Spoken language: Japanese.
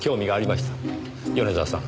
米沢さん。